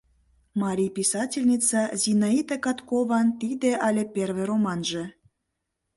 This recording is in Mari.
Марий писательница Зинаида Каткован тиде але первый романже.